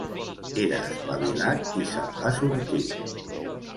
Era espavilat i se'n va sortir.